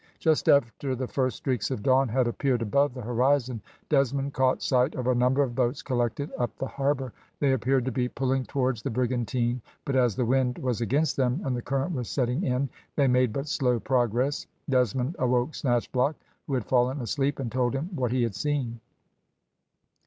Just after the first streaks of dawn had appeared above the horizon, Desmond caught sight of a number of boats collected up the harbour. They appeared to be pulling towards the brigantine, but as the wind was against them, and the current was setting in, they made but slow progress. Desmond awoke Snatchblock, who had fallen asleep, and told him what he had seen.